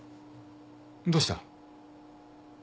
どうした。